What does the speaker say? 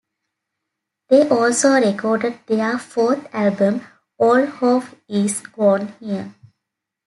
They also recorded their fourth album "All Hope Is Gone" here.